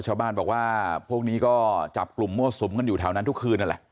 ชาวบ้านบอกว่าพวกนี้ก็จับกลุ่มมั่วสุมกันอยู่แถวนั้นทุกคืนนั่นแหละ